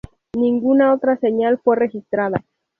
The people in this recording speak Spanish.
Ninguna otra señal fue registrada.